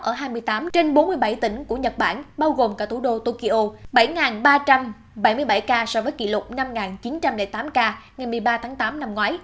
ở hai mươi tám trên bốn mươi bảy tỉnh của nhật bản bao gồm cả thủ đô tokyo